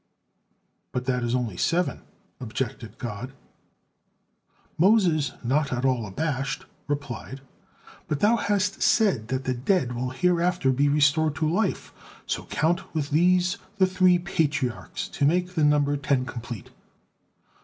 "But that is only seven," objected God. Moses, not at all abashed, replied: "But Thou hast said that the dead will hereafter be restored to life, so count with these the three Patriarchs to make the number ten complete."